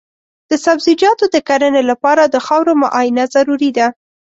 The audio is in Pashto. د سبزیجاتو د کرنې لپاره د خاورو معاینه ضروري ده.